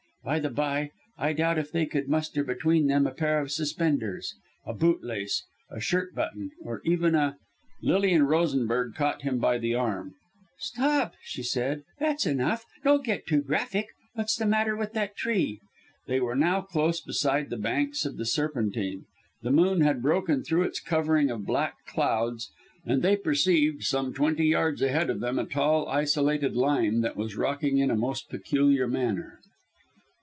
By the bye, I doubt if they could muster between them a pair of suspenders a bootlace a shirt button, or even a " Lilian Rosenberg caught him by the arm. "Stop," she said, "that's enough. Don't get too graphic. What's the matter with that tree?" They were now close beside the banks of the Serpentine; the moon had broken through its covering of black clouds, and they perceived some twenty yards ahead of them, a tall, isolated lime, that was rocking in a most peculiar manner.